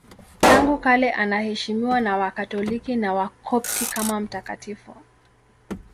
Tangu kale anaheshimiwa na Wakatoliki na Wakopti kama mtakatifu.